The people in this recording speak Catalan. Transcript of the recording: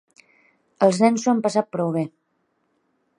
Els nens s'ho han passat prou bé.